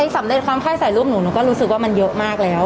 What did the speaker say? สำเร็จความไข้ใส่รูปหนูหนูก็รู้สึกว่ามันเยอะมากแล้ว